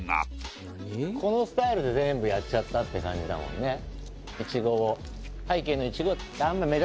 このスタイルで全部やっちゃったって感じだもんね